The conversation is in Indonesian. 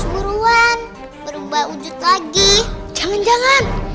buruan berubah wujud lagi jangan jangan